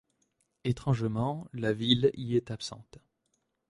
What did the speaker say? Étrangement, la ville y est absente.